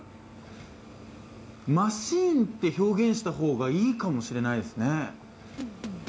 マシンって表現した方がいいかもしれないですね。